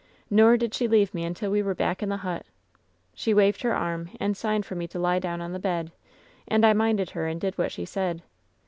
Nor did she leave me until we were back in the hut. She waved her arm and signed for me to lie down on the bed ; and I minded her and did what she said.